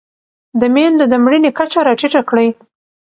د مېندو د مړینې کچه راټیټه کړئ.